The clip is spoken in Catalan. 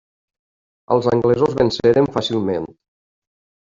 Els anglesos venceren fàcilment.